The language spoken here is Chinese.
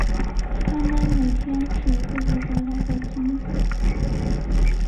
他们每天数自己得来的金子。